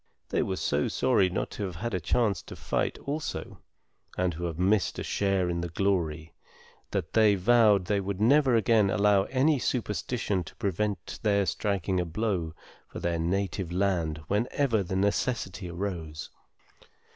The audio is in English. They were so sorry not to have had a chance to fight also, and to have missed a share in the glory, that they vowed they would never again allow any superstition to prevent their striking a blow for their native land whenever the necessity arose.